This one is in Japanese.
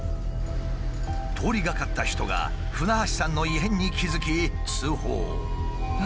通りがかった人が舩橋さんの異変に気付き通報。